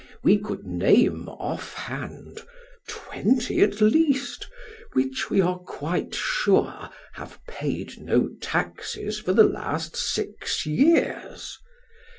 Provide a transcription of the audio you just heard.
We could name off hand, twenty at least, which we are quite sure have paid no taxes for the last six years.